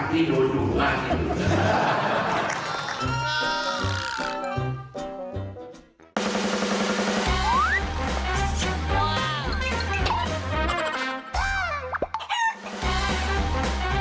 เป็นทางที่ดูดูดมาก